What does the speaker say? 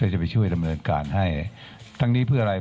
จะไปช่วยดำเนินการให้ทั้งนี้เพื่ออะไร